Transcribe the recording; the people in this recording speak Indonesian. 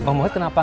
bang muhid kenapa